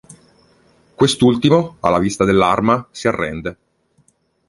Quest'ultimo, alla vista dell'arma, si arrende.